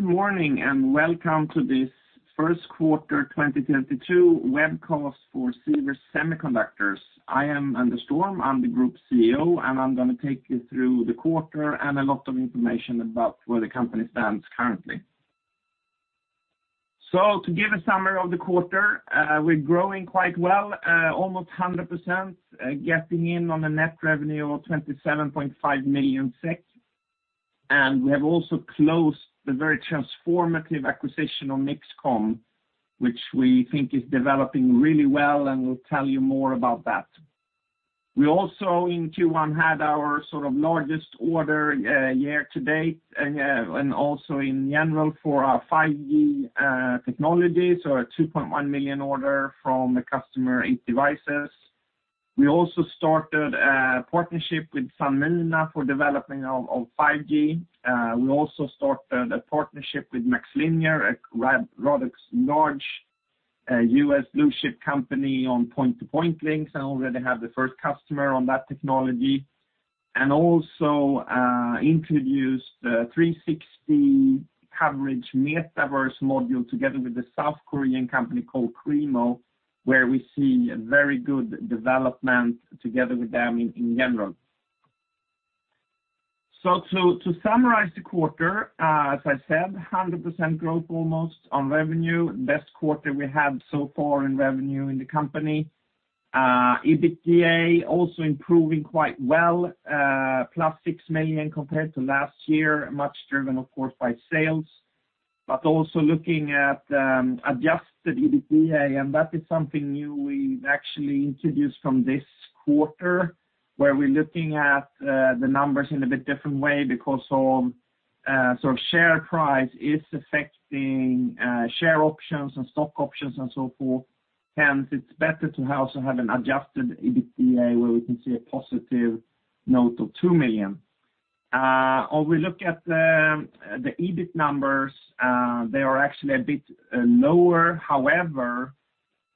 Good morning and welcome to this first quarter 2022 webcast for Sivers Semiconductors. I am Anders Storm, I'm the Group CEO, and I'm gonna take you through the quarter and a lot of information about where the company stands currently. To give a summary of the quarter, we're growing quite well, almost 100%, getting in on the net revenue of 27.5 million. We have also closed the very transformative acquisition on MixComm, which we think is developing really well, and we'll tell you more about that. We also in Q1 had our sort of largest order, year to date, and also in general for our 5G, technology, so a 2.1 million order from the customer 8devices. We also started a partnership with Sanmina for developing of 5G. We also started a partnership with MaxLinear, a respected large US blue-chip company on point-to-point links, and already have the first customer on that technology. Also introduced a 360 coverage metaverse module together with a South Korean company called Kreemo, where we see a very good development together with them in general. To summarize the quarter, as I said, almost 100% growth on revenue, best quarter we had so far in revenue in the company. EBITDA also improving quite well, plus 6 million compared to last year, much driven of course by sales. Also looking at adjusted EBITDA, and that is something new we've actually introduced from this quarter, where we're looking at the numbers in a bit different way because of sort of share price is affecting share options and stock options and so forth. Hence, it's better to have an adjusted EBITDA where we can see a positive now to 2 million. Or we look at the EBIT numbers, they are actually a bit lower.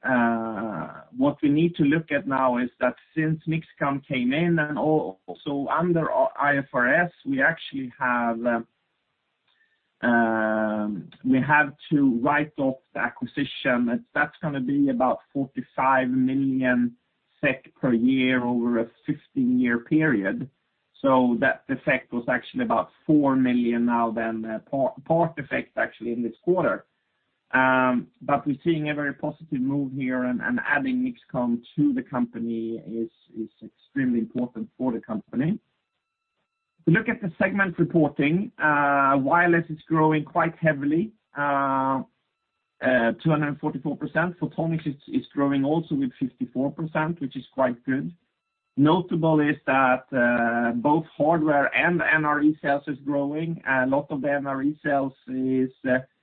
However, what we need to look at now is that since MixComm came in and also under IFRS, we actually have to write off the acquisition. That's gonna be about 45 million SEK per year over a 15-year period. So that effect was actually about 4 million now than the PPA effect actually in this quarter. We're seeing a very positive move here and adding MixComm to the company is extremely important for the company. If we look at the segment reporting, wireless is growing quite heavily, 244%. Photonics is growing also with 54%, which is quite good. Notable is that both hardware and NRE sales is growing. A lot of the NRE sales is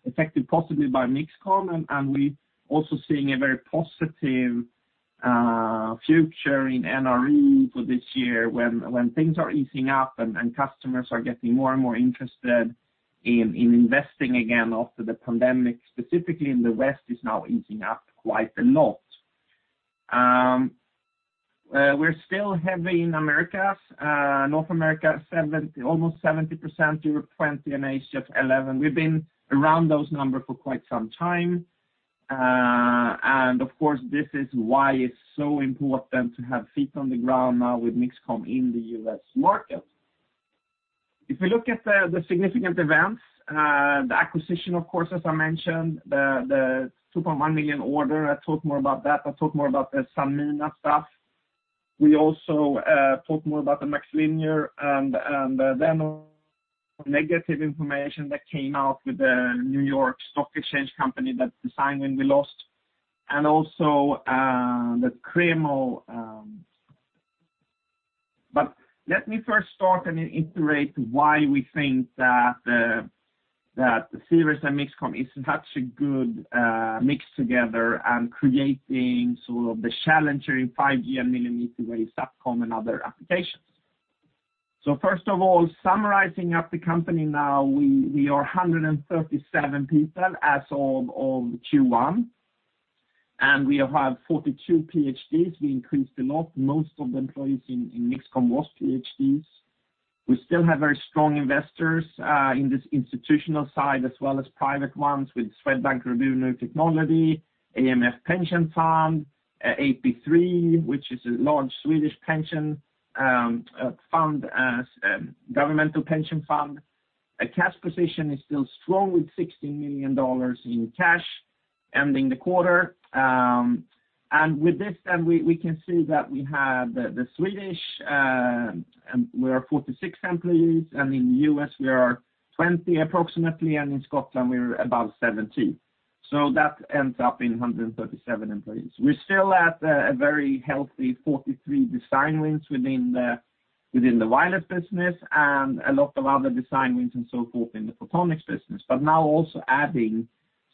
affected positively by MixComm, and we also seeing a very positive future in NRE for this year when things are easing up and customers are getting more and more interested in investing again after the pandemic, specifically in the West is now easing up quite a lot. We're still heavy in Americas. North America, almost 70%, Europe 20%, and Asia 11%. We've been around those numbers for quite some time. Of course, this is why it's so important to have feet on the ground now with MixComm in the U.S. market. If we look at the significant events, the acquisition of course as I mentioned, the 2.1 million order. I talk more about that. I talk more about the Sanmina stuff. We also talk more about the MaxLinear and then the negative information that came out with the New York Stock Exchange company that design win we lost, and also the Kreemo. Let me first start and iterate why we think that Sivers and MixComm is such a good mix together and creating sort of the challenger in 5G and millimeter wave SatCom and other applications. First of all, summarizing up the company now, we are 137 people as of Q1. We have 42 PhDs. We increased a lot. Most of the employees in MixComm was PhDs. We still have very strong investors in this institutional side as well as private ones with Swedbank Robur Ny Teknik, AMF Pension Fund, AP3, which is a large Swedish pension fund, governmental pension fund. Our cash position is still strong with $60 million in cash ending the quarter. With this then we can see that we have the Swedish, we are 46 employees, and in U.S. we are 20 approximately, and in Scotland we're about 17. That ends up in 137 employees. We're still at a very healthy 43 design wins within the wireless business and a lot of other design wins and so forth in the photonics business, but now also adding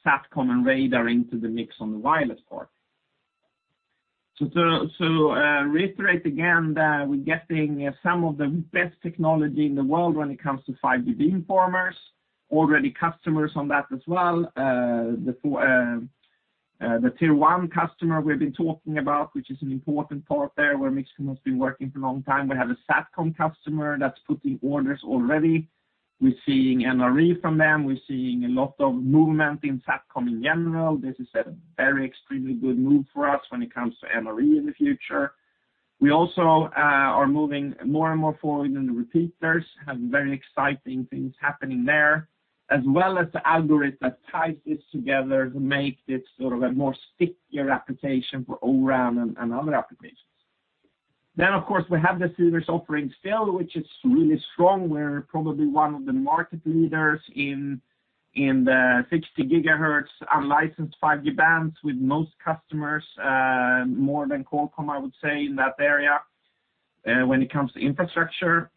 SatCom and radar into the mix on the wireless part. Reiterate again that we're getting some of the best technology in the world when it comes to 5G beamformers, already customers on that as well. The tier one customer we've been talking about, which is an important part there, where MixComm has been working for a long time. We have a SatCom customer that's putting orders already. We're seeing NRE from them. We're seeing a lot of movement in SatCom in general. This is a very extremely good move for us when it comes to NRE in the future. We also are moving more and more forward in the repeaters, have very exciting things happening there, as well as the algorithm that ties this together to make this sort of a more stickier application for O-RAN and other applications. Then, of course, we have the Sivers offering still, which is really strong. We're probably one of the market leaders in the 60 GHz unlicensed 5G bands with most customers, more than Qualcomm, I would say, in that area. When it comes to infrastructure,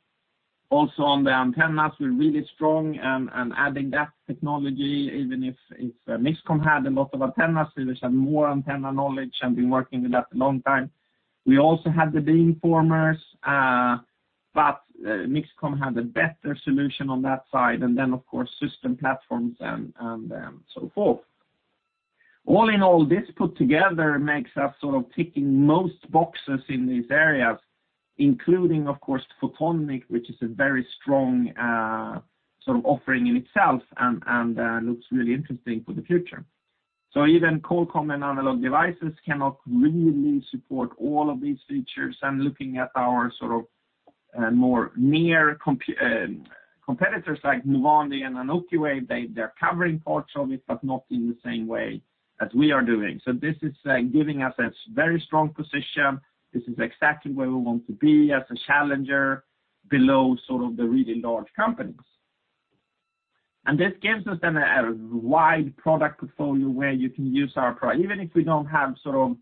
also on the antennas, we're really strong, and adding that technology, even if MixComm had a lot of antennas, Sivers have more antenna knowledge and been working with that a long time. We also have the beamformers, but MixComm had a better solution on that side. Then, of course, system platforms and so forth. All in all, this put together makes us sort of ticking most boxes in these areas, including, of course, photonics, which is a very strong, sort of offering in itself and looks really interesting for the future. Even Qualcomm and Analog Devices cannot really support all of these features. I'm looking at our sort of, more near competitors like Movandi and Anokiwave. They, they're covering parts of it, but not in the same way as we are doing. This is, like, giving us a very strong position. This is exactly where we want to be as a challenger below sort of the really large companies. This gives us a wide product portfolio where you can use our. Even if we don't have sort of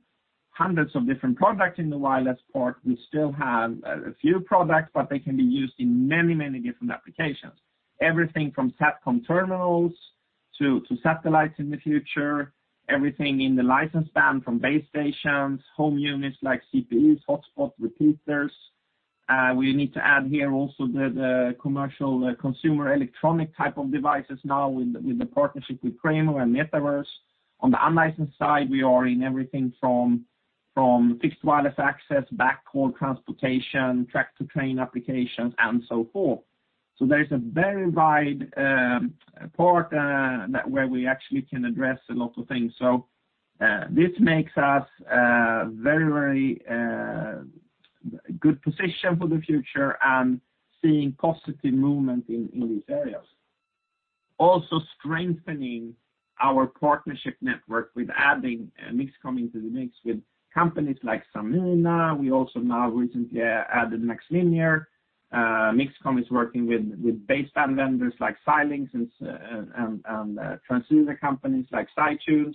hundreds of different products in the wireless part, we still have a few products, but they can be used in many different applications. Everything from SatCom terminals to satellites in the future, everything in the licensed band from base stations, home units like CPEs, hotspots, repeaters. We need to add here also the commercial consumer electronic type of devices now with the partnership with Cremo and metaverse. On the unlicensed side, we are in everything from fixed wireless access, backhaul transportation, track-to-train applications, and so forth. There's a very wide part that where we actually can address a lot of things. This makes us very good position for the future and seeing positive movement in these areas. Also strengthening our partnership network with adding MixComm into the mix with companies like Sanmina. We also now recently added MaxLinear. MixComm is working with baseband vendors like Xilinx and transceiver companies like SiTune.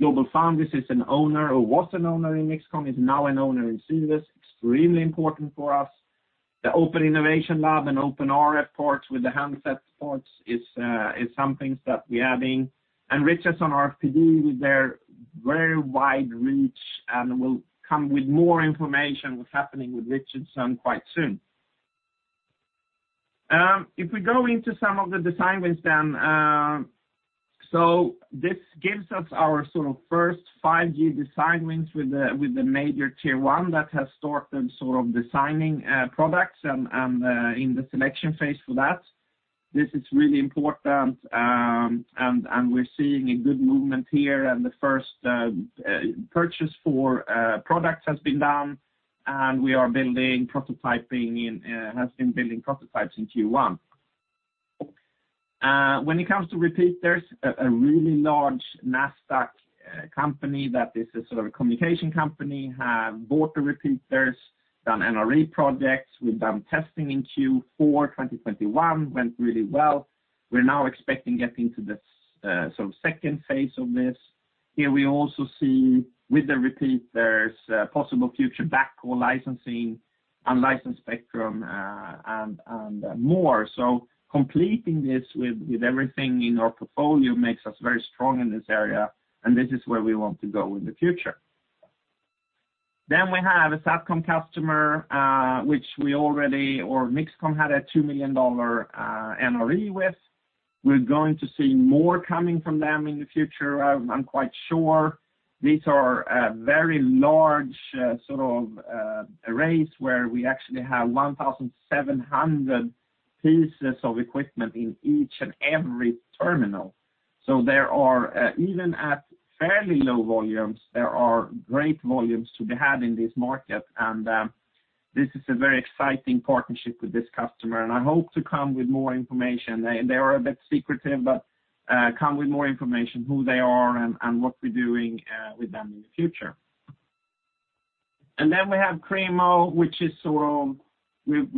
GlobalFoundries is an owner, or was an owner in MixComm, is now an owner in Sivers. Extremely important for us. The Open Innovation Lab and OpenRF parts with the handsets parts is something that we're adding. Richardson RFPD with their very wide reach, and we'll come with more information what's happening with Richardson quite soon. If we go into some of the design wins then, this gives us our sort of first 5G design wins with the major tier one that has started sort of designing products and in the selection phase for that. This is really important, and we're seeing a good movement here. The first purchase for products has been done, and has been building prototypes in Q1. When it comes to repeaters, a really large Nasdaq company that is a sort of communication company have bought the repeaters, done NRE projects. We've done testing in Q4 2021, went really well. We're now expecting getting to the sort of second phase of this. Here we also see with the repeaters, possible future backhaul licensing, unlicensed spectrum, and more. Completing this with everything in our portfolio makes us very strong in this area, and this is where we want to go in the future. We have a SatCom customer, which we already or MixComm had a $2 million NRE with. We're going to see more coming from them in the future, I'm quite sure. These are very large sort of arrays where we actually have 1,700 pieces of equipment in each and every terminal. There are even at fairly low volumes, there are great volumes to be had in this market. This is a very exciting partnership with this customer, and I hope to come with more information. They are a bit secretive, but come with more information, who they are and what we're doing with them in the future. We have Kreemo, which is sort of we've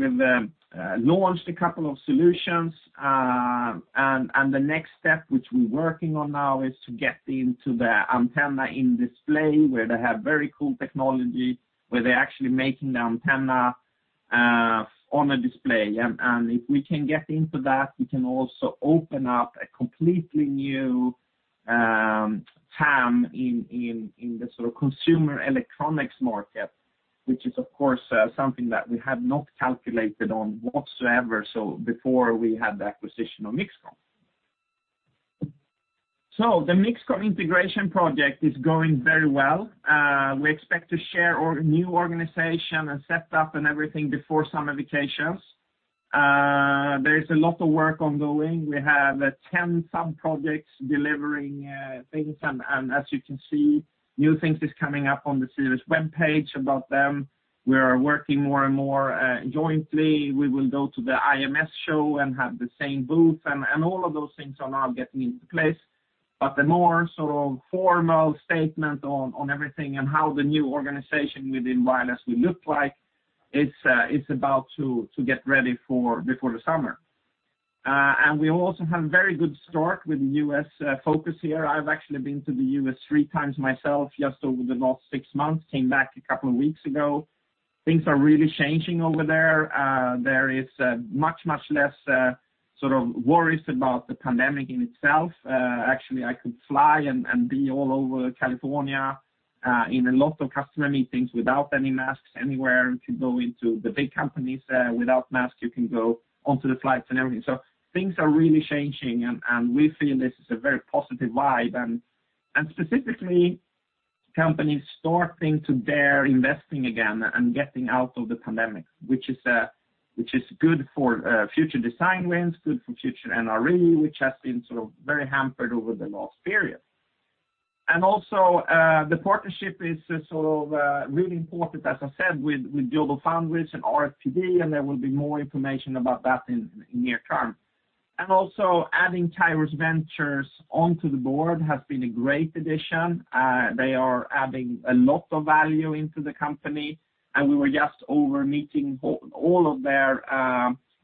launched a couple of solutions. The next step which we're working on now is to get into the antenna in display, where they have very cool technology, where they're actually making the antenna on a display. If we can get into that, we can also open up a completely new TAM in the sort of consumer electronics market. Which is of course something that we have not calculated on whatsoever, before we had the acquisition of MixComm. The MixComm integration project is going very well. We expect to share our new organization and set up and everything before summer vacations. There is a lot of work ongoing. We have 10 sub-projects delivering things. As you can see, new things is coming up on the Cerus webpage about them. We are working more and more jointly. We will go to the IMS show and have the same booth, and all of those things are now getting into place. The more sort of formal statement on everything and how the new organization within Sivers will look like, it's about to get ready for before the summer. We also have very good start with U.S. focus here. I've actually been to the U.S. three times myself just over the last six months. Came back a couple of weeks ago. Things are really changing over there. There is much less sort of worries about the pandemic in itself. Actually, I could fly and be all over California in a lot of customer meetings without any masks anywhere. You can go into the big companies without masks. You can go onto the flights and everything. Things are really changing, and we feel this is a very positive vibe. Specifically, companies starting to dare investing again and getting out of the pandemic, which is good for future design wins, good for future NRE, which has been sort of very hampered over the last period. Also, the partnership is sort of really important, as I said, with GlobalFoundries and RFPD, and there will be more information about that in near term. Adding Kairos Ventures onto the board has been a great addition. They are adding a lot of value into the company, and we were just over meeting all of their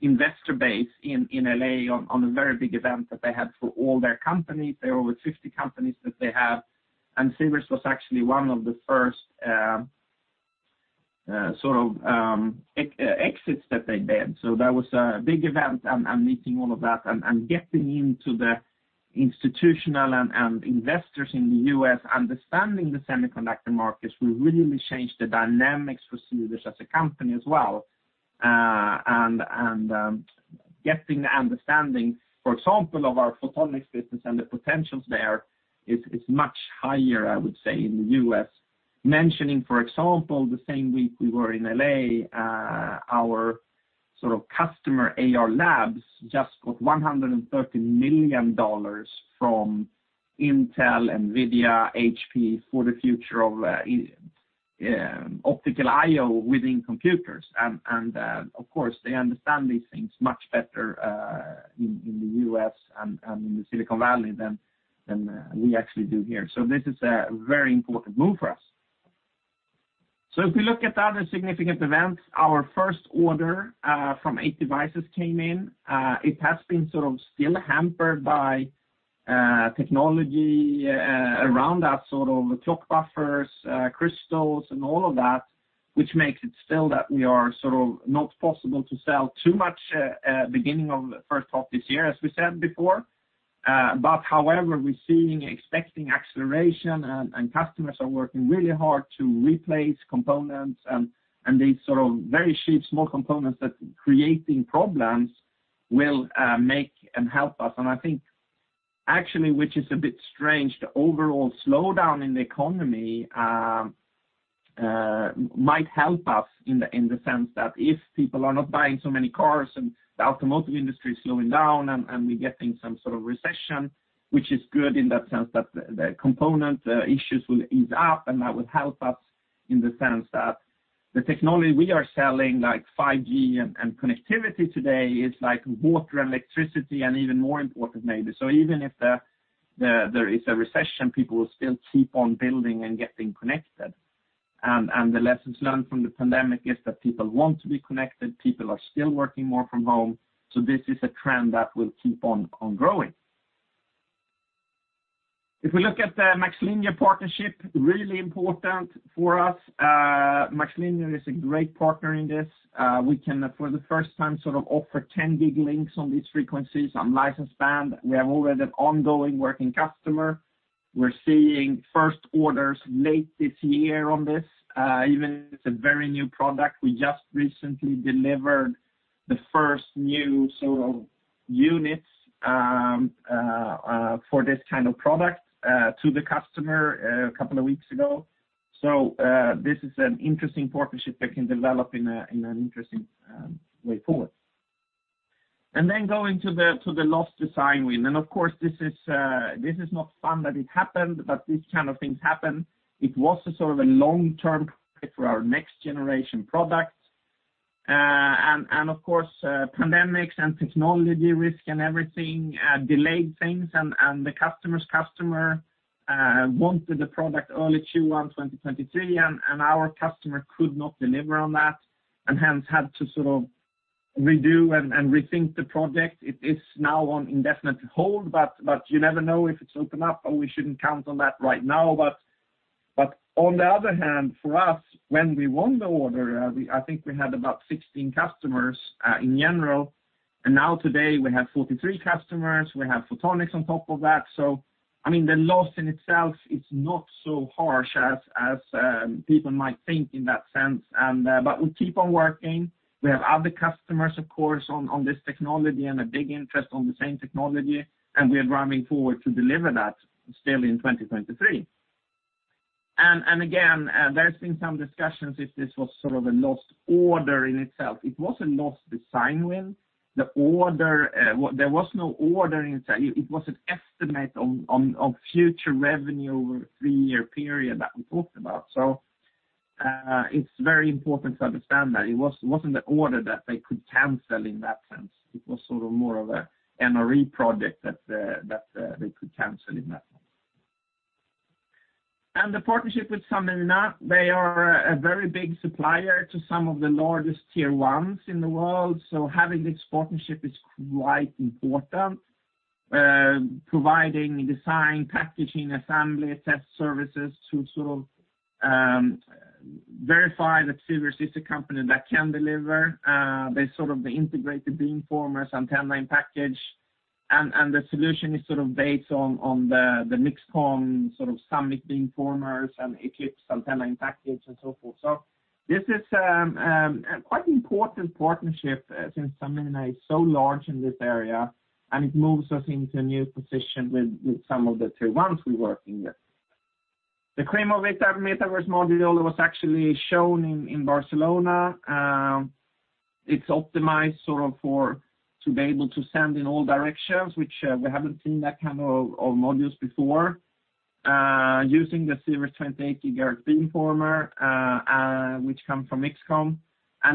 investor base in L.A. on a very big event that they had for all their companies. There are over 50 companies that they have, and Cerus was actually one of the first exits that they did. That was a big event, and meeting all of that and getting into the institutional investors in the U.S. understanding the semiconductor markets will really change the dynamics for Cerus as a company as well. Getting the understanding, for example, of our photonics business and the potentials there is much higher, I would say, in the U.S. Mentioning, for example, the same week we were in L.A., our sort of customer, Ayar Labs, just got $130 million from Intel, NVIDIA, HPE for the future of optical I/O within computers. Of course, they understand these things much better in the U.S. and in Silicon Valley than we actually do here. This is a very important move for us. If we look at other significant events, our first order from 8devices came in. It has been sort of still hampered by technology around that sort of clock buffers, crystals and all of that, which makes it still that we are sort of not possible to sell too much beginning of the first half this year, as we said before. However, we're expecting acceleration and customers are working really hard to replace components and these sort of very cheap, small components that creating problems will make and help us. I think actually, which is a bit strange, the overall slowdown in the economy might help us in the sense that if people are not buying so many cars and the automotive industry is slowing down and we're getting some sort of recession, which is good in that sense that the component issues will ease up, and that would help us in the sense that the technology we are selling, like 5G and connectivity today is like water and electricity and even more important maybe. Even if there is a recession, people will still keep on building and getting connected. The lessons learned from the pandemic is that people want to be connected, people are still working more from home. This is a trend that will keep on growing. If we look at the MaxLinear partnership, really important for us. MaxLinear is a great partner in this. We can for the first time, sort of offer 10 gig links on these frequencies on licensed band. We have already an ongoing working customer. We're seeing first orders late this year on this. Even it's a very new product. We just recently delivered the first new sort of units for this kind of product to the customer a couple of weeks ago. This is an interesting partnership that can develop in an interesting way forward. Going to the lost design win. Of course, this is not fun that it happened, but these kind of things happen. It was a sort of a long-term for our next generation products. Pandemics and technology risk and everything delayed things and the customer's customer wanted the product early 2023, and our customer could not deliver on that, and hence had to sort of redo and rethink the project. It is now on indefinite hold, but you never know if it's opened up, and we shouldn't count on that right now. On the other hand, for us, when we won the order, I think we had about 16 customers in general. Now today we have 43 customers. We have Photonics on top of that. I mean, the loss in itself is not so harsh as people might think in that sense. But we keep on working. We have other customers, of course, on this technology and a big interest on the same technology, and we are driving forward to deliver that still in 2023. Again, there's been some discussions if this was sort of a lost order in itself. It was a lost design win. The order, there was no order in itself. It was an estimate on future revenue over a three-year period that we talked about. It's very important to understand that it wasn't the order that they could cancel in that sense. It was sort of more of a NRE project that they could cancel in that sense. The partnership with Sumitomo, they are a very big supplier to some of the largest tier ones in the world. Having this partnership is quite important, providing design, packaging, assembly, test services to sort of verify that Sivers is a company that can deliver the sort of integrated beamformer, system-level package. The solution is sort of based on the MixComm SUMMIT beamformers and ECLIPSE antenna package and so forth. This is quite important partnership, since Sumitomo is so large in this area, and it moves us into a new position with some of the tier ones we working with. The Kreemo Vektor metaverse module was actually shown in Barcelona. It's optimized sort of for to be able to send in all directions, which we haven't seen that kind of modules before using the Sivers 28 GHz beamformer, which come from MixComm.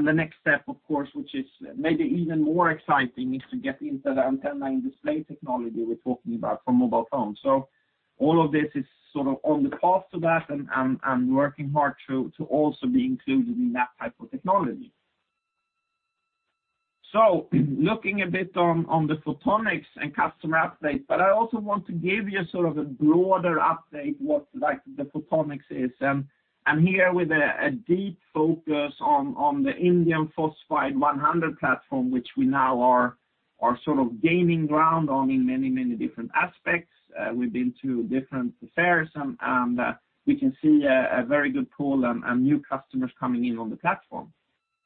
The next step, of course, which is maybe even more exciting, is to get into the antenna and display technology we're talking about for mobile phones. All of this is sort of on the path to that, and working hard to also be included in that type of technology. Looking a bit on the Photonics and customer update, but I also want to give you sort of a broader update what like the Photonics is. Here with a deep focus on the InP100 platform, which we now are sort of gaining ground on in many different aspects. We've been to different fairs and we can see a very good pool and new customers coming in on the platform.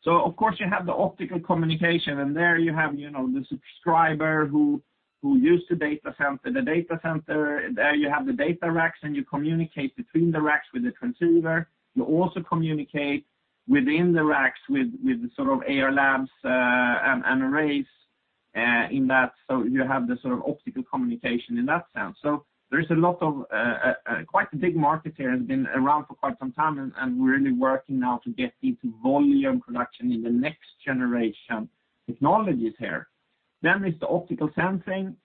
Of course, you have the optical communication, and there you have the subscriber who use the data center. The data center, there you have the data racks, and you communicate between the racks with the transceiver. You also communicate within the racks with the sort of Ayar Labs and arrays in that. You have the sort of optical communication in that sense. There is a lot of quite a big market here that has been around for quite some time, and we're really working now to get into volume production in the next generation technologies here. It's the optical sensing,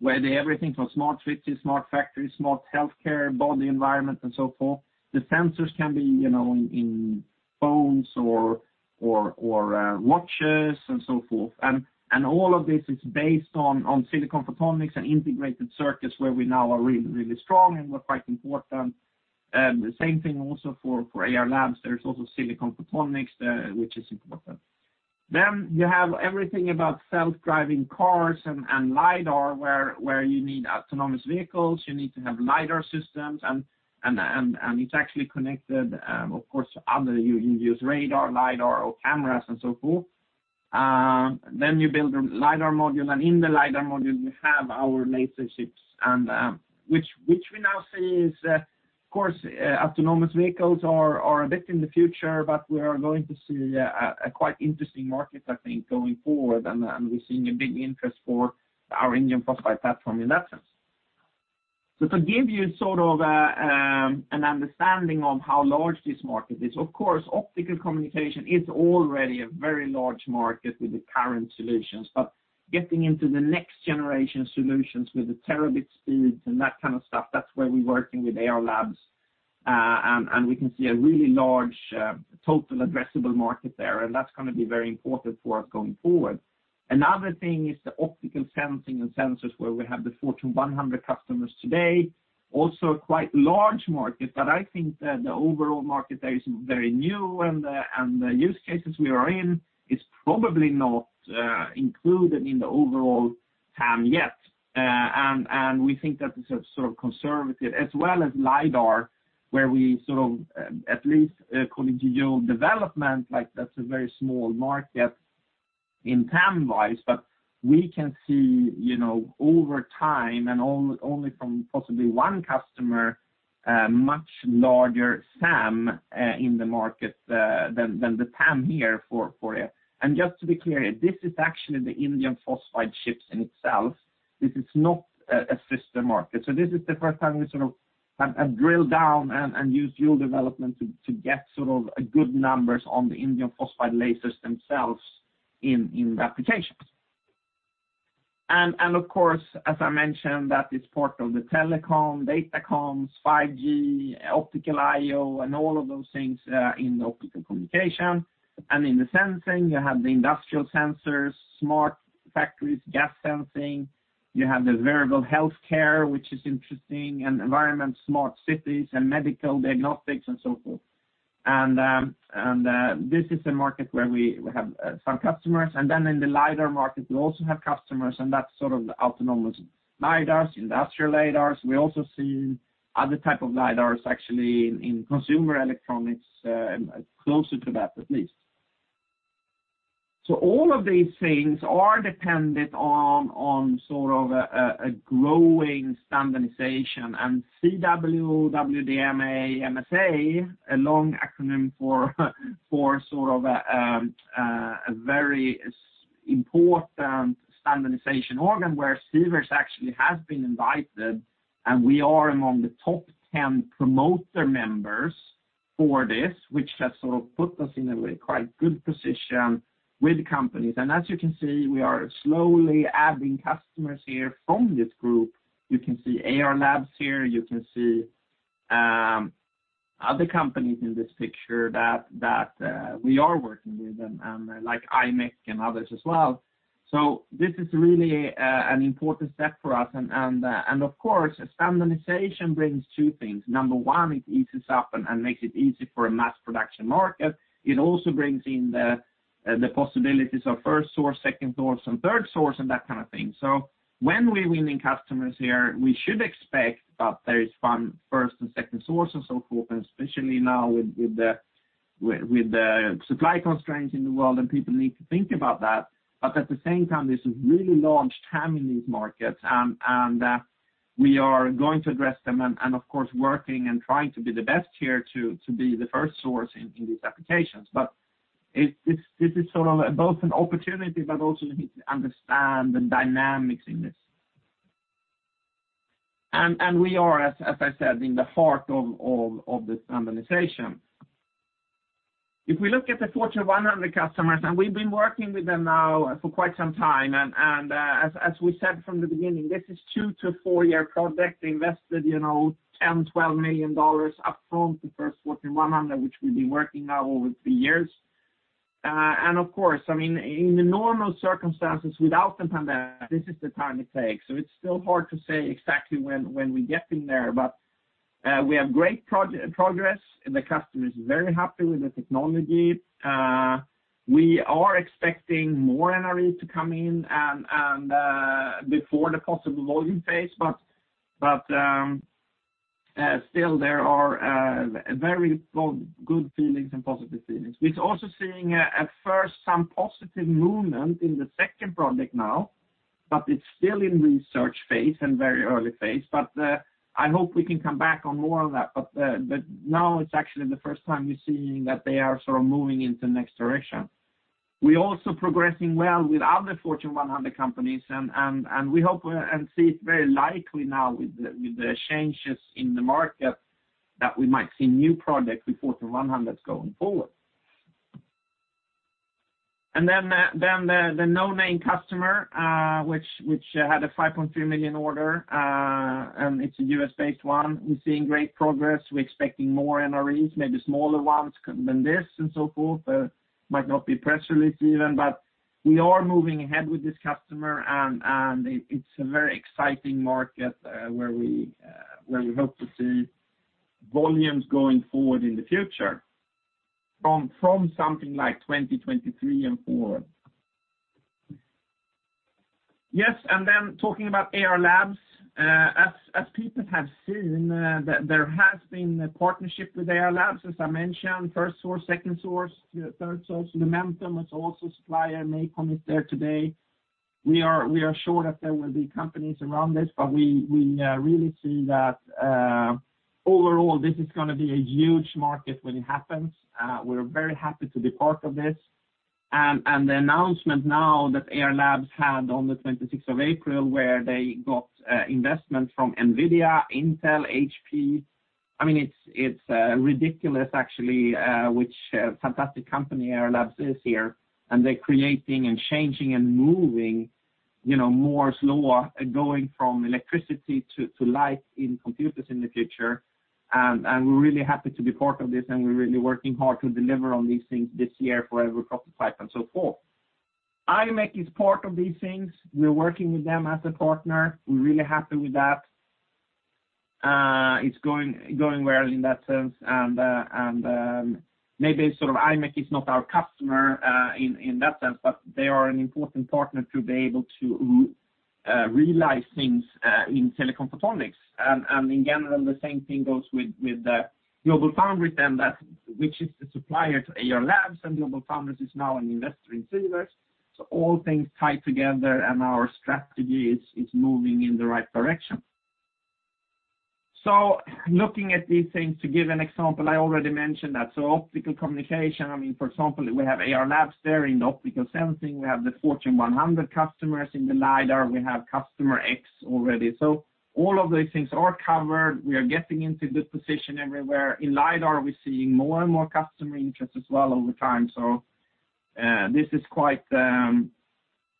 where everything from smart cities, smart factories, smart healthcare, body environment, and so forth. The sensors can be, you know, in phones or watches and so forth. All of this is based on silicon photonics and integrated circuits where we now are really strong and we're quite important. The same thing also for Ayar Labs. There's also silicon photonics, which is important. You have everything about self-driving cars and LiDAR, where you need autonomous vehicles, you need to have LiDAR systems, and it's actually connected, of course to other. You use radar, LiDAR, or cameras and so forth. Then you build a LiDAR module, and in the LiDAR module, you have our laser chips and which we now see is of course autonomous vehicles are a bit in the future, but we are going to see a quite interesting market, I think, going forward. We're seeing a big interest for our indium phosphide platform in that sense. To give you sort of an understanding of how large this market is, of course, optical communication is already a very large market with the current solutions. But getting into the next generation solutions with the terabit speeds and that kind of stuff, that's where we're working with Ayar Labs. We can see a really large total addressable market there, and that's gonna be very important for us going forward. Another thing is the optical sensing and sensors where we have the Fortune 100 customers today. Also a quite large market, but I think the overall market there is very new, and the use cases we are in is probably not included in the overall TAM yet. We think that it's a sort of conservative as well as LiDAR, where we sort of at least calling it dual development, like that's a very small market in TAM wise, but we can see, you know, over time and only from possibly one customer, a much larger SAM in the market than the TAM here for you. Just to be clear, this is actually the indium phosphide chips in itself. This is not a system market. This is the first time we sort of have drilled down and used dual development to get sort of a good numbers on the indium phosphide lasers themselves in applications. Of course, as I mentioned, that is part of the telecom, datacom, 5G, optical I/O, and all of those things in the optical communication. In the sensing, you have the industrial sensors, smart factories, gas sensing. You have the wearable healthcare, which is interesting, and environment, smart cities, and medical diagnostics, and so forth. This is a market where we have some customers. Then in the LiDAR market, we also have customers, and that's sort of the autonomous LiDARs, industrial LiDARs. We also see other type of LiDARs actually in consumer electronics, closer to that at least. All of these things are dependent on sort of a growing standardization. CW-WDM MSA, a long acronym for sort of a very important standardization organization where Sivers actually has been invited, and we are among the top 10 promoter members for this, which has sort of put us in a way quite good position with companies. As you can see, we are slowly adding customers here from this group. You can see Ayar Labs here. You can see other companies in this picture that we are working with and like imec and others as well. This is really an important step for us. Of course, standardization brings two things. Number one, it eases up and makes it easy for a mass production market. It also brings in the possibilities of first source, second source, and third source and that kind of thing. When we're winning customers here, we should expect that there is some first and second sources and so forth, especially now with the supply constraints in the world, and people need to think about that. At the same time, there's a really large TAM in these markets, and we are going to address them and, of course, working and trying to be the best here to be the first source in these applications. This is sort of both an opportunity, but also we need to understand the dynamics in this. We are, as I said, in the heart of the standardization. If we look at the Fortune 100 customers, we've been working with them now for quite some time, as we said from the beginning, this is a two to four-year project, invested, you know, $10-$12 million up front, the first Fortune 100, which we've been working now over three years. Of course, I mean, in the normal circumstances without the pandemic, this is the time it takes. It's still hard to say exactly when we get in there. We have great progress, and the customer is very happy with the technology. We are expecting more NRE to come in and before the possible volume phase, but still there are very good feelings and positive feelings. We're also seeing, at first, some positive movement in the second project now, but it's still in research phase and very early phase. I hope we can come back on more on that. Now it's actually the first time you're seeing that they are sort of moving into next direction. We're also progressing well with other Fortune 100 companies and we hope and see it very likely now with the changes in the market that we might see new projects with Fortune 100s going forward. The no-name customer, which had a 5.3 million order, and it's a US-based one. We're seeing great progress. We're expecting more NREs, maybe smaller ones than this and so forth. Might not be press release even, but we are moving ahead with this customer and it's a very exciting market, where we hope to see volumes going forward in the future from something like 2023 and forward. Talking about Ayar Labs, as people have seen, there has been a partnership with Ayar Labs. As I mentioned, first source, second source, third source. Lumentum is also a supplier MixComm there today. We are sure that there will be companies around this, but we really see that overall, this is gonna be a huge market when it happens. We're very happy to be part of this. The announcement now that Ayar Labs had on the 26th April where they got investment from NVIDIA, Intel, HP, I mean, it's ridiculous actually, which fantastic company Ayar Labs is here, and they're creating and changing and moving, you know, Moore's Law going from electricity to light in computers in the future. We're really happy to be part of this, and we're really working hard to deliver on these things this year for our product pipeline and so forth. imec is part of these things. We're working with them as a partner. We're really happy with that. It's going well in that sense. Maybe sort of imec is not our customer in that sense, but they are an important partner to be able to realize things in telecom photonics. In general, the same thing goes with GlobalFoundries then that, which is the supplier to Ayar Labs, and GlobalFoundries is now an investor in Sivers. All things tie together, and our strategy is moving in the right direction. Looking at these things, to give an example, I already mentioned that. Optical communication, I mean, for example, we have Ayar Labs there. In optical sensing, we have the Fortune 100 customers. In the LiDAR, we have customer X already. All of these things are covered. We are getting into good position everywhere. In LiDAR, we're seeing more and more customer interest as well over time. This is quite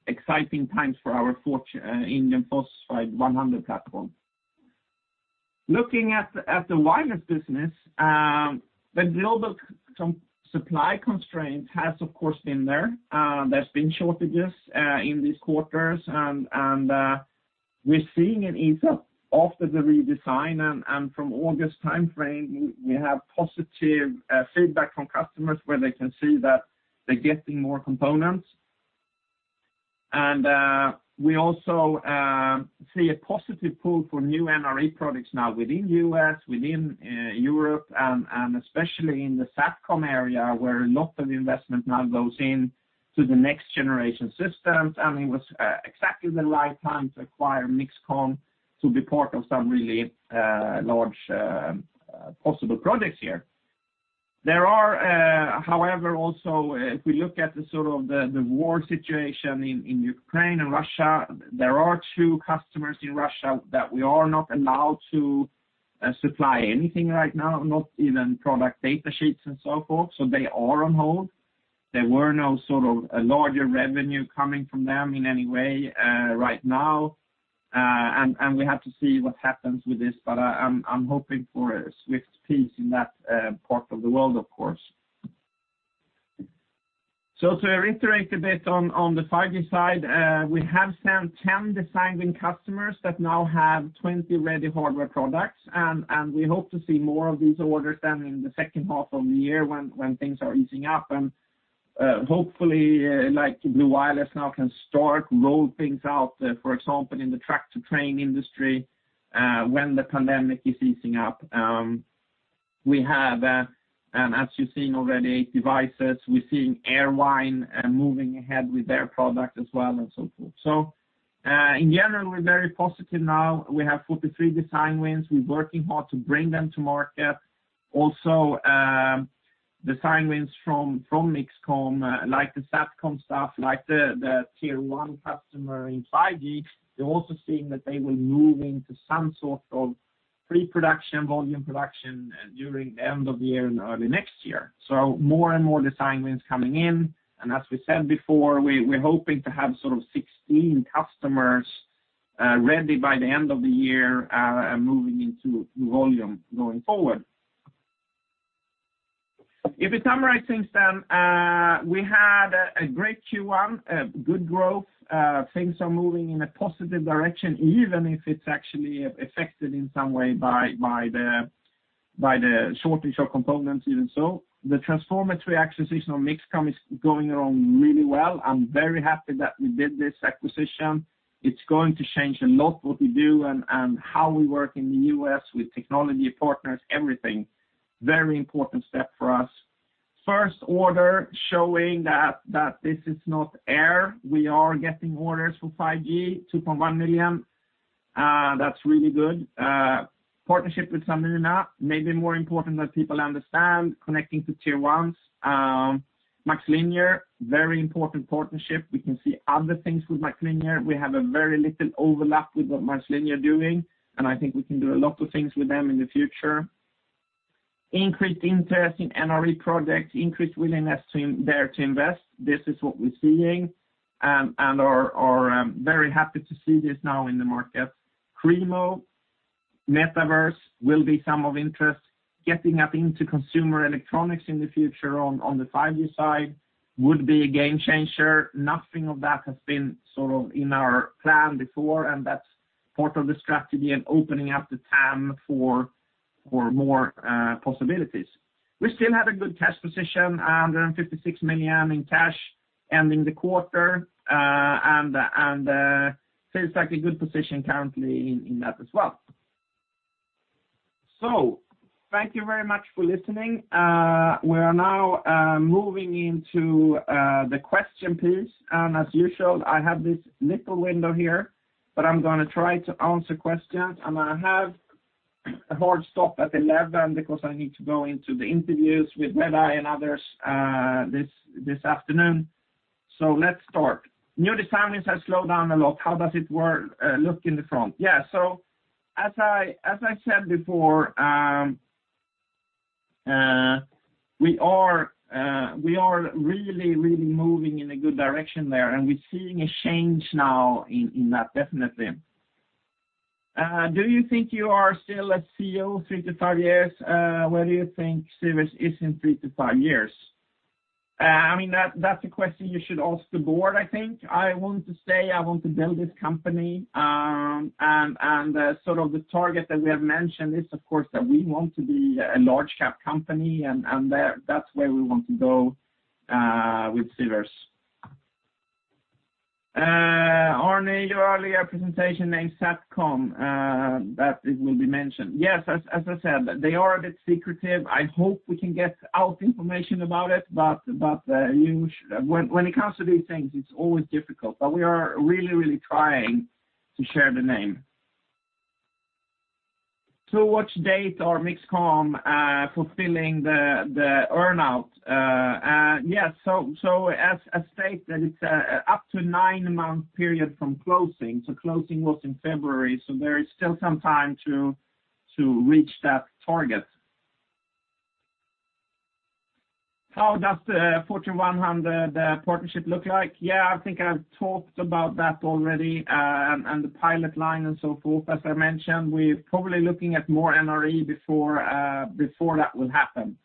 exciting times for our foundry indium phosphide 100 platform. Looking at the wireless business, the global component supply constraint has of course been there. There's been shortages in these quarters. We're seeing an ease up after the redesign and from August timeframe, we have positive feedback from customers where they can see that they're getting more components. We also see a positive pull for new NRE products now within U.S., within Europe and especially in the SATCOM area where a lot of investment now goes into the next generation systems. It was exactly the right time to acquire MixComm to be part of some really large possible projects here. There are, however, also if we look at the war situation in Ukraine and Russia, there are two customers in Russia that we are not allowed to supply anything right now, not even product data sheets and so forth. They are on hold. There were no larger revenue coming from them in any way right now. We have to see what happens with this. I'm hoping for a swift peace in that part of the world, of course. To reiterate a bit on the 5G side, we have sent 10 design win customers that now have 20 ready hardware products. We hope to see more of these orders then in the second of the year when things are easing up. Hopefully, like Blu Wireless now can start rolling things out, for example, in the track-to-train industry, when the pandemic is easing up. We have and as you're seeing already devices, we're seeing Airvine moving ahead with their product as well and so forth. In general, we're very positive now. We have 43 design wins. We're working hard to bring them to market. Design wins from MixComm, like the SatCom stuff, like the Tier One customer in 5G, they're also seeing that they will move into some sort of pre-production, volume production during the end of the year and early next year. More and more design wins coming in. We're hoping to have sort of 16 customers ready by the end of the year, moving into new volume going forward. If we summarize things, we had a great Q1, good growth. Things are moving in a positive direction, even if it's actually affected in some way by the shortage of components even so. The transformative acquisition of MixComm is going along really well. I'm very happy that we did this acquisition. It's going to change a lot what we do and how we work in the U.S. with technology partners, everything. Very important step for us. First order showing that this is not air. We are getting orders for 5G, 2.1 million. That's really good. Partnership with Sanmina, maybe more important than people understand connecting to Tier 1s. MaxLinear, very important partnership. We can see other things with MaxLinear. We have a very little overlap with what MaxLinear are doing, and I think we can do a lot of things with them in the future. Increased interest in NRE projects, increased willingness to invest. This is what we're seeing, and are very happy to see this now in the market. Cremo metaverse will be some of interest. Getting up into consumer electronics in the future on the 5G side would be a game changer. Nothing of that has been sort of in our plan before, and that's part of the strategy and opening up the TAM for more possibilities. We still have a good cash position, 156 million in cash ending the quarter, and feels like a good position currently in that as well. Thank you very much for listening. We are now moving into the question piece. As usual, I have this little window here, but I'm gonna try to answer questions. I'm gonna have a hard stop at eleven because I need to go into the interviews with Redeye and others, this afternoon. Let's start. New design wins has slowed down a lot. How does it look in the front? Yeah. As I said before, we are really moving in a good direction there, and we're seeing a change now in that, definitely. Do you think you are still a CEO three to five years? Where do you think Sivers is in three to five years? I mean, that's a question you should ask the board, I think. I want to say I want to build this company. Sort of the target that we have mentioned is, of course, that we want to be a large cap company. That's where we want to go with Sivers. Anders Storm, your earlier presentation named SatCom, that it will be mentioned. Yes. As I said, they are a bit secretive. I hope we can get more information about it, when it comes to these things, it's always difficult. We are really trying to share the name. What date are MixComm fulfilling the earn-out? Yes. As stated, it's up to nine-month period from closing. Closing was in February, so there is still some time to reach that target. How does the Fortune 100 partnership look like? Yeah, I think I've talked about that already, and the pilot line and so forth. As I mentioned, we're probably looking at more NRE before that will happen.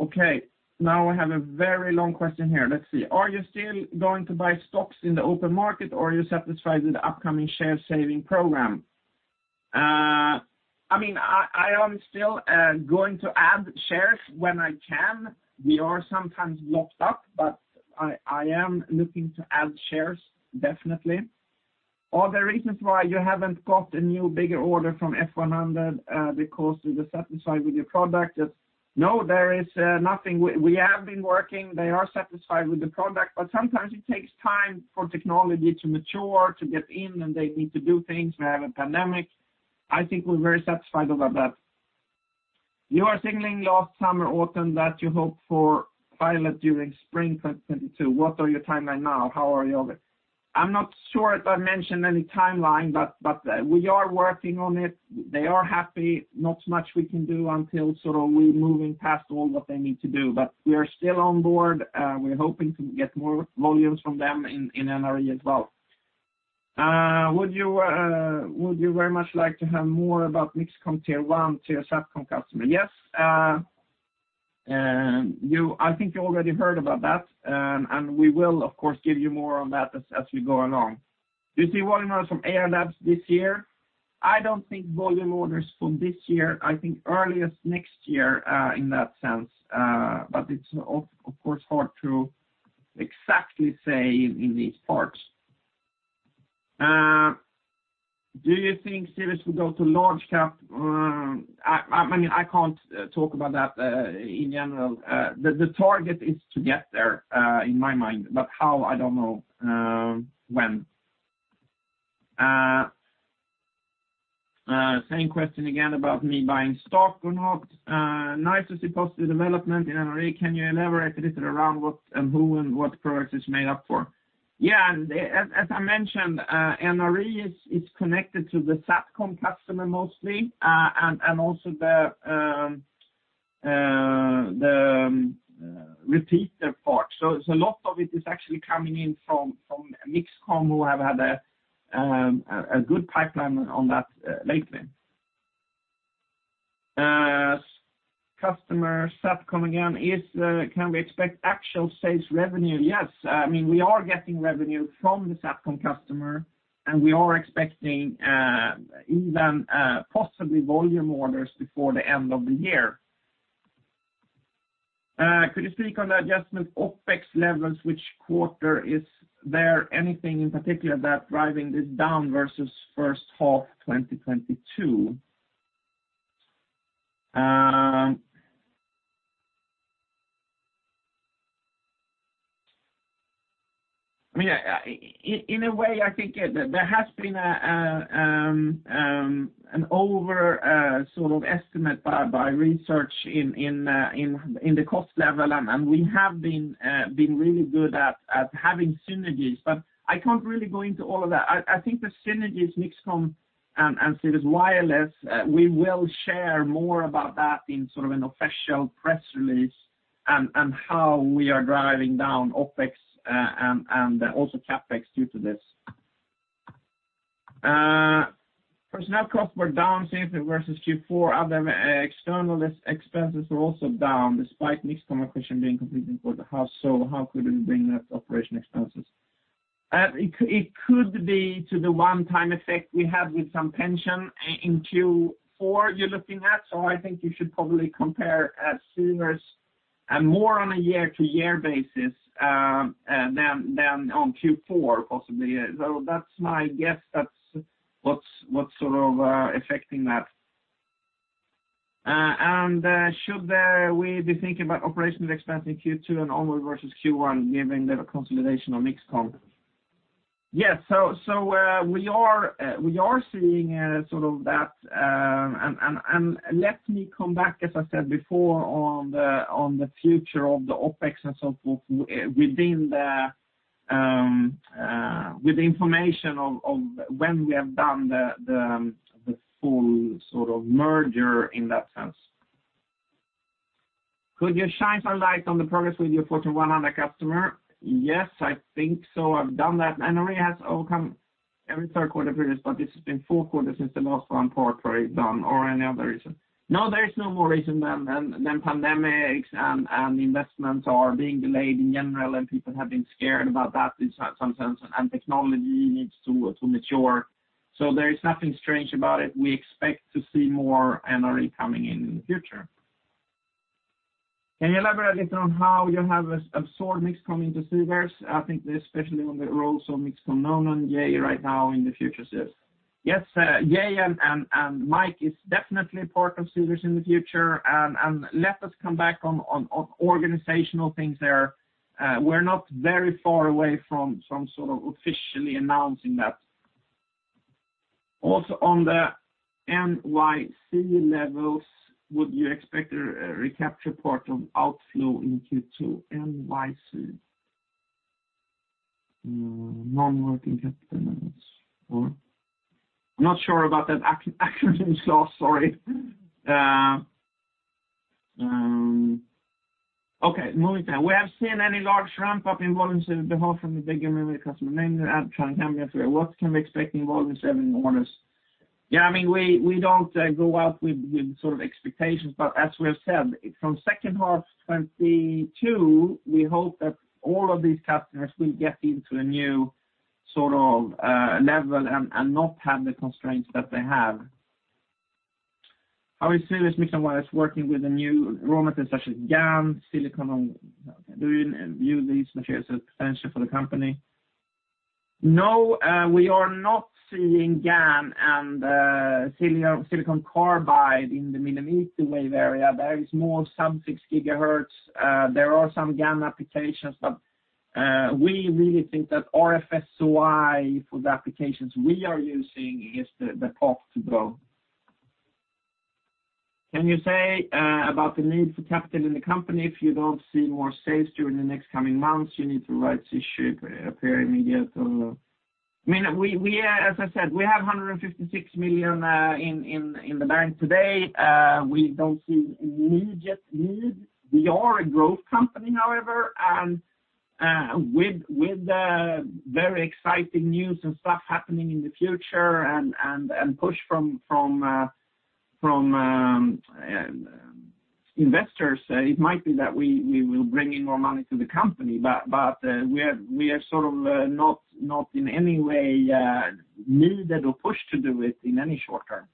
Okay, now I have a very long question here. Let's see. Are you still going to buy stocks in the open market, or are you satisfied with the upcoming share saving program? I mean, I am still going to add shares when I can. We are sometimes locked up, but I am looking to add shares, definitely. Are there reasons why you haven't got a new bigger order from F100 because you were satisfied with your product? No, there is nothing. We have been working. They are satisfied with the product, but sometimes it takes time for technology to mature, to get in, and they need to do things. We have a pandemic. I think we're very satisfied about that. You are signaling last summer, autumn that you hope for pilot during spring 2022. What are your timeline now? How are you on it? I'm not sure if I mentioned any timeline, but we are working on it. They are happy. Not much we can do until sort of we're moving past all what they need to do. We are still on board. We're hoping to get more volumes from them in NRE as well. Would you very much like to have more about MixComm tier one, tier SatCom customer? Yes, I think you already heard about that. We will, of course, give you more on that as we go along. Do you see volume orders from Ayar Labs this year? I don't think volume orders from this year. I think earliest next year, in that sense. It's of course hard to exactly say in these parts. Do you think Cerus will go to large cap? I mean, I can't talk about that in general. The target is to get there, in my mind. How, I don't know when. Same question again about me buying stock or not. Nice to see positive development in NRE. Can you elaborate a little around what and who and what products it's made up for? Yeah. As I mentioned, NRE is connected to the SatCom customer mostly, and also the repeater part. So a lot of it is actually coming in from MixComm, who have had a good pipeline on that lately. Customer SatCom again. Can we expect actual sales revenue? Yes. I mean, we are getting revenue from the SatCom customer, and we are expecting even possibly volume orders before the end of the year. Could you speak on the adjustment OpEx levels? Which quarter is there anything in particular that driving this down versus first half 2022? I mean, in a way, I think there has been an overestimate by research in the cost level, and we have been really good at having synergies, but I can't really go into all of that. I think the synergies MixComm and Cerus, we will share more about that in sort of an official press release and how we are driving down OpEx and also CapEx due to this. Personnel costs were down significantly versus Q4. Other external expenses were also down despite MixComm acquisition being completed for the half. How could it bring that operating expenses? It could be to the one-time effect we had with some pension in Q4 you're looking at. I think you should probably compare Cerus and more on a year-to-year basis than on Q4, possibly. That's my guess. That's what's sort of affecting that. Should we be thinking about operational expenses Q2 and onward versus Q1, given the consolidation of MixComm? Yes. We are seeing sort of that. Let me come back, as I said before, on the future of the OpEx and so forth, within the information of when we have done the full sort of merger in that sense. Could you shine some light on the progress with your Fortune 100 customer? Yes, I think so. I've done that. NRE has overcome every third quarter of this, but this has been four quarters since the last one part were done or any other reason. No, there is no more reason than pandemics and investments are being delayed in general, and people have been scared about that in some sense, and technology needs to mature. There is nothing strange about it. We expect to see more NRE coming in in the future. Can you elaborate a little on how you have absorbed MixComm into Sivers? I think especially on the role, so MixComm known on [Jay] right now in the future Sivers. Yes, [Jay] and Mike is definitely part of Sivers in the future and let us come back on organizational things there. We're not very far away from sort of officially announcing that. On the NWC levels, would you expect a recapture of outflow in Q2 NWC? Net working capital. I'm not sure about that acronym, so sorry. Okay, moving on. Have we seen any large ramp-up in volume sales from the big American customer? I'm trying to remember. What can we expect in volume sales orders? Yeah, I mean, we don't go out with sort of expectations, but as we have said, from second half 2022, we hope that all of these customers will get into a new sort of level and not have the constraints that they have. Are you seeing MixComm working with the new raw materials such as GaN, silicon on— Do you view these materials as potential for the company? No, we are not seeing GaN and silicon carbide in the millimeter wave area. There is more, some 60 GHz. There are some GaN applications, but we really think that RF-SOI for the applications we are using is the path to go. Can you say about the need for capital in the company if you don't see more sales during the next coming months? Do you need a rights issue immediately or? I mean, we, as I said, we have 156 million in the bank today. We don't see immediate need. We are a growth company, however, and with the very exciting news and stuff happening in the future and push from investors, it might be that we will bring in more money to the company. We are sort of not in any way needed or pushed to do it in any short term.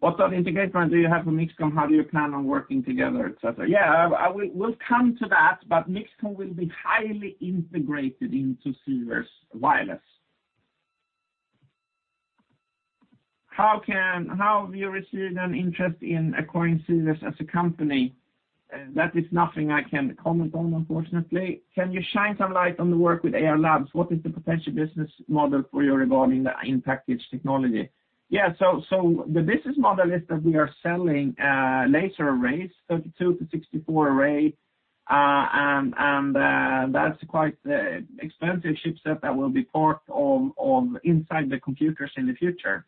What sort of integration do you have for MixComm? How do you plan on working together, et cetera? Yeah, we'll come to that. MixComm will be highly integrated into Cerus Wireless. How have you received an interest in acquiring Cerus as a company? That is nothing I can comment on, unfortunately. Can you shine some light on the work with Ayar Labs? What is the potential business model for you regarding the in-package technology? Yeah. So the business model is that we are selling laser arrays, 32 to 64 array. And that's quite expensive chipset that will be part of inside the computers in the future.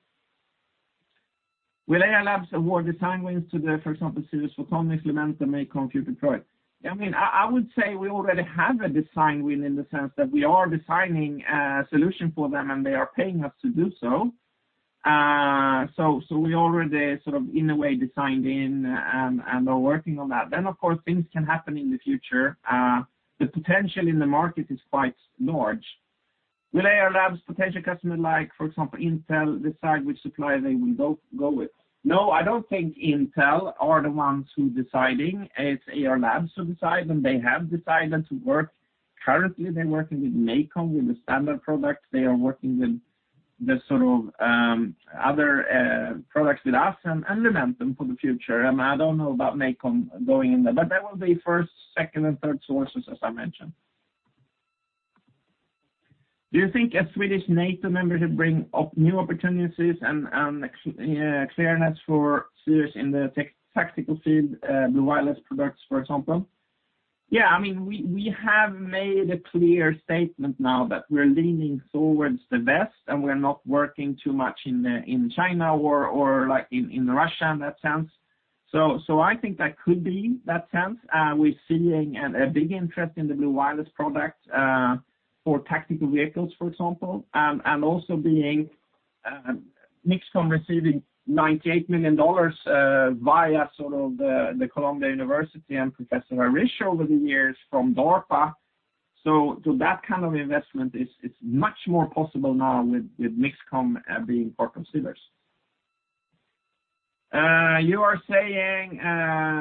Will Ayar Labs award design wins to the, for example, Cerus Photonics, Lumentum, and MACOM future product? I mean, I would say we already have a design win in the sense that we are designing a solution for them, and they are paying us to do so. We already sort of in a way designed in and are working on that. Of course, things can happen in the future. The potential in the market is quite large. Will Ayar Labs potential customer like, for example, Intel decide which supplier they will go with? No, I don't think Intel are the ones who deciding. It's Ayar Labs who decide, and they have decided to work. Currently, they're working with MACOM with the standard product. They are working with the sort of other products with us and Lumentum for the future. I don't know about MACOM going in there, but that will be first, second, and third sources, as I mentioned. Do you think a Swedish NATO membership bring up new opportunities and extra clarity for Cerus in the tactical field, the wireless products, for example? Yeah. I mean, we have made a clear statement now that we're leaning towards the West, and we're not working too much in China or like in Russia in that sense. So I think that could be that sense. We're seeing a big interest in the Blu Wireless product for tactical vehicles, for example, and also MixComm receiving $98 million via the Columbia University and Professor Harish over the years from DARPA. To that kind of investment, it's much more possible now with MixComm being part of Sivers. You are saying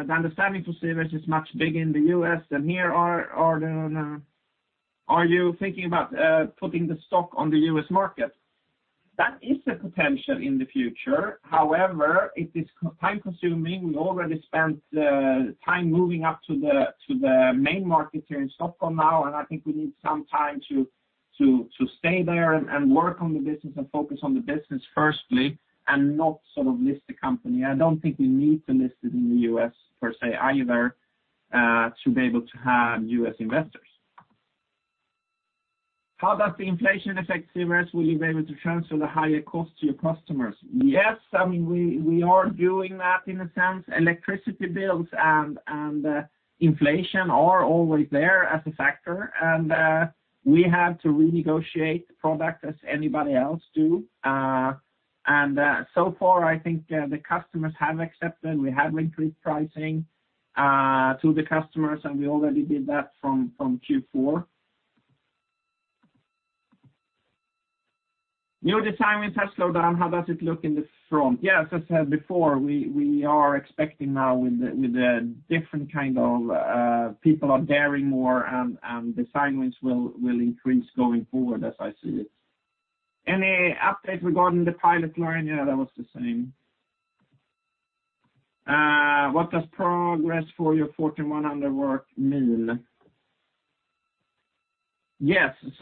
the understanding for Sivers is much bigger in the U.S. than here. Are you thinking about putting the stock on the U.S. market? That is a potential in the future. However, it is time-consuming. We already spent time moving up to the main market here in Stockholm now, and I think we need some time to stay there and work on the business and focus on the business firstly and not sort of list the company. I don't think we need to list it in the U.S. per se either to be able to have U.S. investors. How does the inflation affect Sivers? Will you be able to transfer the higher cost to your customers? Yes. I mean, we are doing that in a sense. Electricity bills and inflation are always there as a factor. We have to renegotiate the product as anybody else do. So far, I think, the customers have accepted. We have increased pricing to the customers, and we already did that from Q4. New designs have slowed down. How does it look in the front? As I said before, we are expecting now with the different kind of people are ordering more and design wins will increase going forward as I see it. Any update regarding the pilot line? Yeah, that was the same. What does progress for your Fortune 100 work mean? Yes. In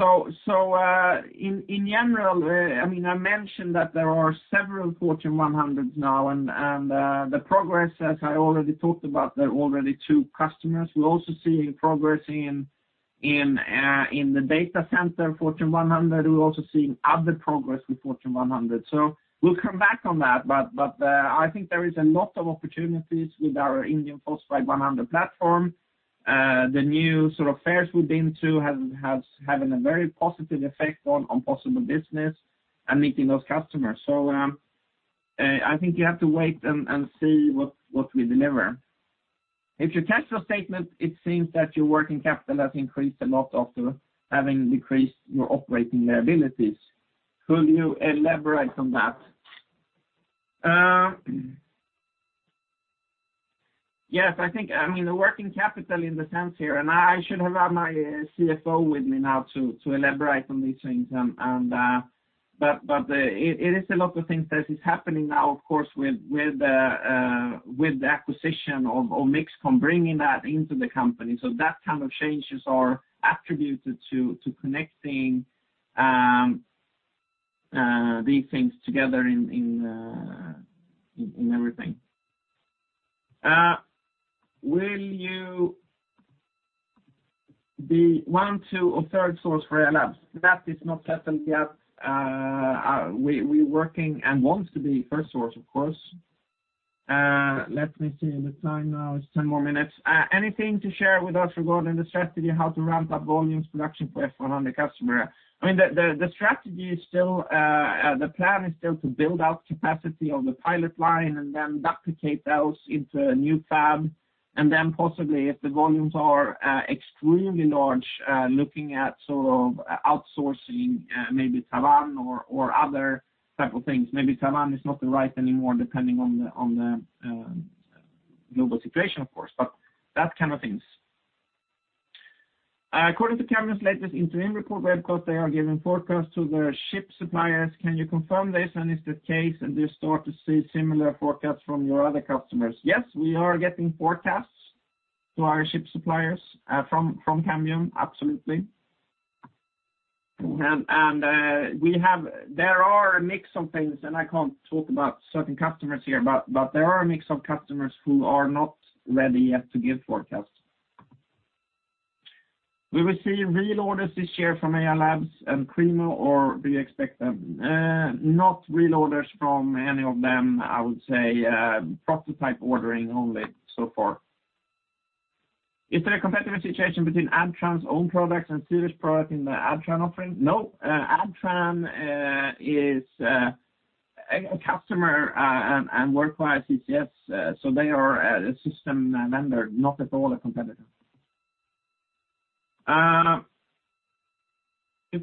general, I mean, I mentioned that there are several Fortune 100s now, and the progress, as I already talked about, there are already two customers. We're also seeing progress in the data center, Fortune 100. We're also seeing other progress with Fortune 100. We'll come back on that. I think there is a lot of opportunities with our Indium Phosphide 100 platform. The new sort of fairs we've been to have had a very positive effect on possible business and meeting those customers. I think you have to wait and see what we deliver. If you look at the statement, it seems that your working capital has increased a lot after having decreased your operating liabilities. Could you elaborate on that? Yes, I think, I mean, the working capital in the sense here, and I should have had my CFO with me now to elaborate on these things. But it is a lot of things that is happening now, of course, with the acquisition of MixComm bringing that into the company. That kind of changes are attributed to connecting these things together in everything. Will you be one, two, or third source for Ayar Labs? That is not settled yet. We working and want to be first source, of course. Let me see the time now. It's 10 more minutes. Anything to share with us regarding the strategy, how to ramp up volumes production for F-100 customer? I mean, the strategy is still the plan is still to build out capacity on the pilot line and then duplicate those into a new fab. Then possibly, if the volumes are extremely large, looking at sort of outsourcing, maybe Taiwan or other type of things. Taiwan is not the right anymore depending on the global situation, of course, but that kind of things. According to Cambium's latest interim report, where of course they are giving forecasts to their chip suppliers, can you confirm this? Is this the case and you start to see similar forecasts from your other customers? Yes, we are getting forecasts to our chip suppliers from Cambium. Absolutely. There are a mix of things, and I can't talk about certain customers here, but there are a mix of customers who are not ready yet to give forecasts. Will we see reorders this year from Ayar Labs and Cremo, or do you expect them? Not reorders from any of them. I would say, prototype ordering only so far. Is there a competitive situation between ADTRAN's own products and Sivers product in the ADTRAN offering? No, ADTRAN is a customer, and work for CCS, so they are a system vendor, not at all a competitor. If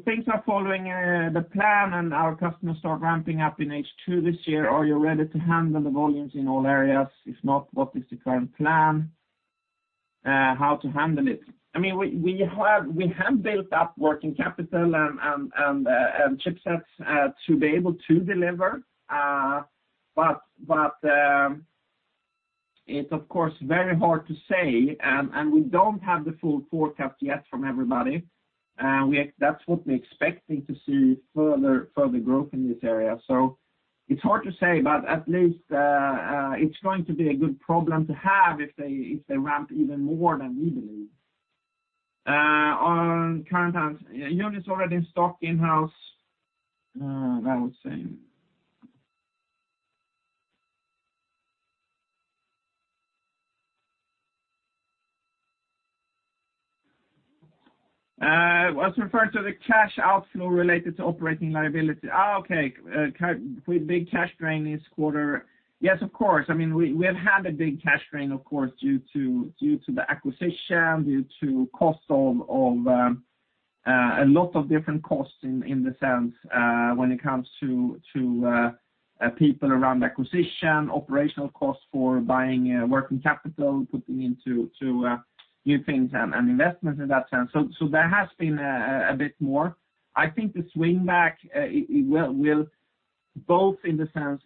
things are following the plan and our customers start ramping up in H2 this year, are you ready to handle the volumes in all areas? If not, what is the current plan, how to handle it? I mean, we have built up working capital and chipsets to be able to deliver. It's of course very hard to say, and we don't have the full forecast yet from everybody. That's what we're expecting to see further growth in this area. It's hard to say, but at least it's going to be a good problem to have if they ramp even more than we believe. On current timelines, units are already in stock in-house, I would say. As referred to the cash outflow related to operating liability. Oh, okay. With big cash drain this quarter. Yes, of course. I mean, we have had a big cash drain, of course, due to the acquisition, due to cost of a lot of different costs in the sense, when it comes to people around acquisition, operational costs for buying, working capital, putting into new things and investments in that sense. There has been a bit more. I think the swing back, it will both in the sense,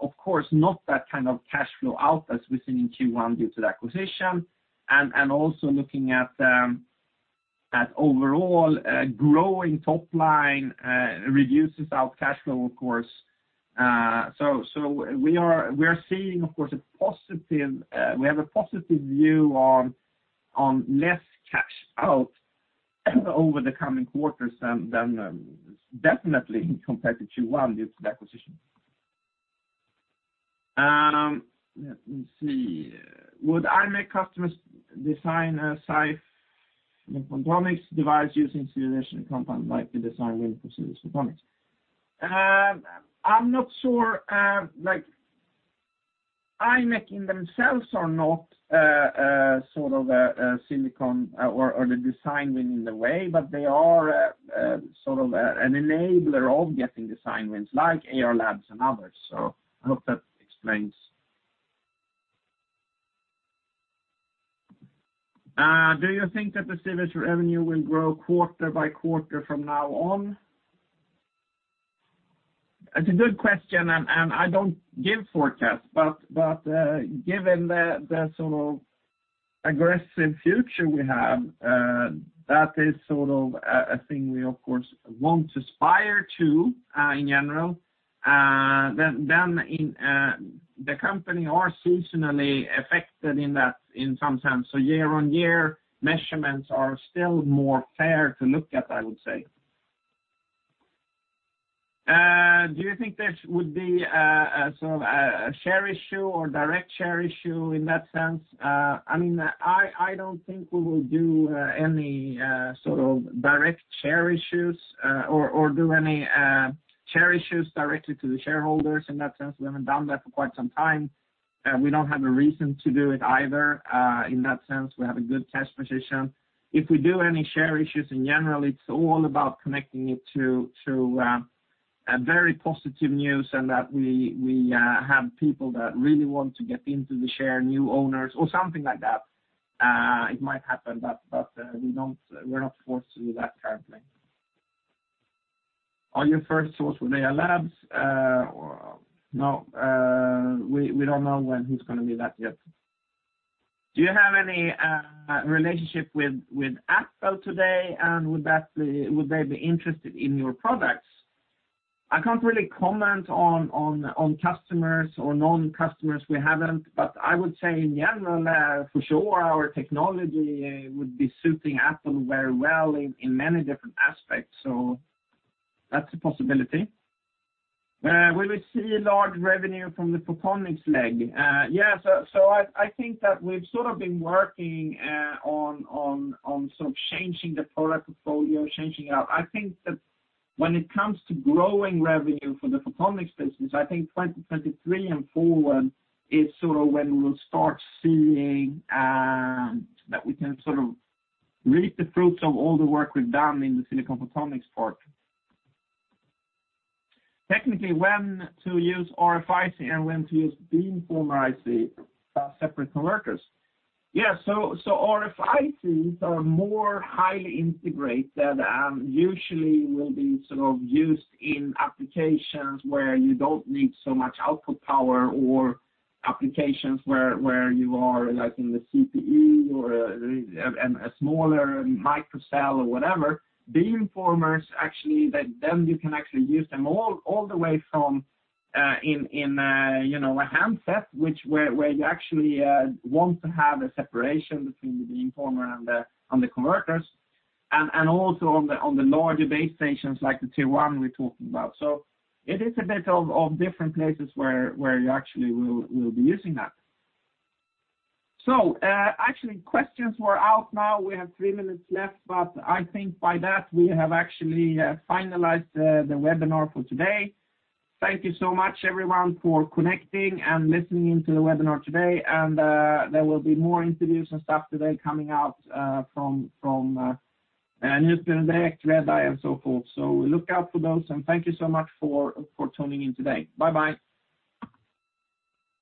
of course, not that kind of cash flow out as we've seen in Q1 due to the acquisition and also looking at overall growing top line, reduces our cash flow, of course. We are seeing, of course, a positive view on less cash out over the coming quarters than definitely compared to Q1 due to the acquisition. Would imec customers design a SiPh photonics device using Sivers compound like the design win for Sivers Photonics? I'm not sure. Like imec themselves are not sort of a silicon or the design win in the way, but they are sort of an enabler of getting design wins like Ayar Labs and others. I hope that explains. Do you think that the Sivers revenue will grow quarter by quarter from now on? It's a good question, and I don't give forecasts, but given the sort of aggressive future we have, that is sort of a thing we of course want to aspire to, in general. Then in the company are seasonally affected in that in some sense. Year-on-year measurements are still more fair to look at, I would say. Do you think this would be a sort of a share issue or direct share issue in that sense? I mean, I don't think we will do any sort of direct share issues, or do any share issues directly to the shareholders in that sense. We haven't done that for quite some time. We don't have a reason to do it either. In that sense, we have a good cash position. If we do any share issues in general, it's all about connecting it to a very positive news, and that we have people that really want to get into the share, new owners or something like that. It might happen, but we're not forced to do that currently. Are you first source with Ayar Labs? No, we don't know when who's gonna be that yet. Do you have any relationship with Apple today, and would they be interested in your products? I can't really comment on customers or non-customers we haven't. I would say in general, for sure, our technology would be suiting Apple very well in many different aspects. That's a possibility. Will we see large revenue from the photonics leg? Yes. I think that we've sort of been working on sort of changing the product portfolio. I think that when it comes to growing revenue for the photonics business, I think 2023 and forward is sort of when we'll start seeing that we can sort of reap the fruits of all the work we've done in the silicon photonics part. Technically, when to use RFIC and when to use beamformer IC, separate converters. Yeah. RFICs are more highly integrated and usually will be sort of used in applications where you don't need so much output power, or applications where you are, like in the CPE or a smaller micro cell or whatever. Beamformers actually then you can actually use them all the way from, in, you know, a handset, where you actually want to have a separation between the beamformer and the converters, and also on the larger base stations like the T1 we're talking about. It is a bit of different places where you actually will be using that. Actually, questions were out. Now we have three minutes left, but I think by that we have actually finalized the webinar for today. Thank you so much everyone for connecting and listening to the webinar today. There will be more interviews and stuff today coming out from.[d]Thank you so much for tuning in today. Bye Bye.